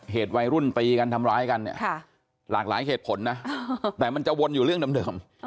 วัยรุ่นตีกันทำร้ายกันเนี่ยหลากหลายเหตุผลนะแต่มันจะวนอยู่เรื่องเดิม